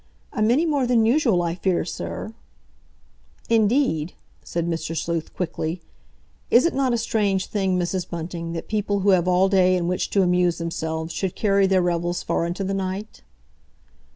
"A many more than usual, I fear, sir." "Indeed?" said Mr. Sleuth quickly. "Is it not a strange thing, Mrs. Bunting, that people who have all day in which to amuse themselves should carry their revels far into the night?"